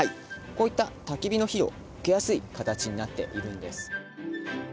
こういったたき火の火を受けやすい形になっているんです。